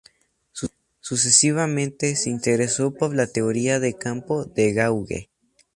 Sucesivamente se interesó por la teoría de campo de gauge.